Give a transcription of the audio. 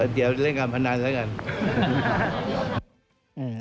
เดี๋ยวเล่นการพนันแล้วกัน